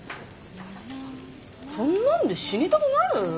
そんなんで死にたくなる？